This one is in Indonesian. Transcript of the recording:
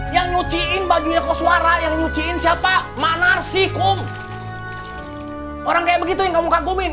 yang nyuciin bagi kau suara yang nyuciin siapa mana sih kum orang kayak begitu yang kamu kagumin